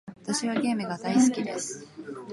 私はゲームが大好きです。